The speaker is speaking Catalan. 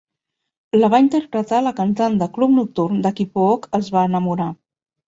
La va interpretar la cantant de club nocturn de qui Pooch es va enamorar.